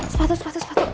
sepatu sepatu sepatu